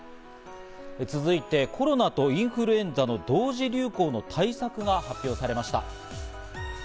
続いてコロナとインフルエンザの同時流行の対策が発表されました。